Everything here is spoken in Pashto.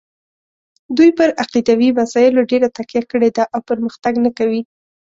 دوی پر عقیدوي مسایلو ډېره تکیه کړې ده او پرمختګ نه کوي.